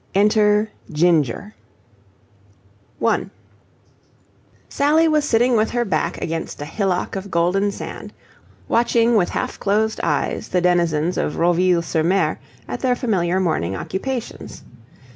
ENTER GINGER 1 Sally was sitting with her back against a hillock of golden sand, watching with half closed eyes the denizens of Roville sur Mer at their familiar morning occupations.